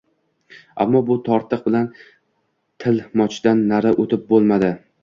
Ammo bu tortiq bilan tilmochdan nari o‘tib bo‘lmadi